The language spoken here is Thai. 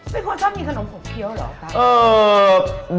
เป็นคนชอบมีขนมผกเขียวเหรอครับ